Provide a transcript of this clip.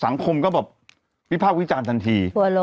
สังคมก็แบบวิพากษ์วิจารณ์ทันที